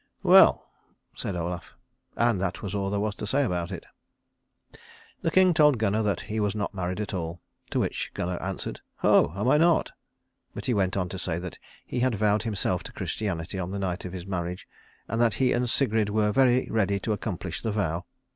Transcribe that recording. "Well!" said Olaf; and that was all there was to say about it. The king told Gunnar that he was not married at all, to which Gunnar answered, "Ho, am I not?" But he went on to say that he had vowed himself to Christianity on the night of his marriage, and that he and Sigrid were very ready to accomplish the vow.